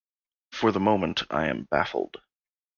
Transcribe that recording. For the moment I am baffled.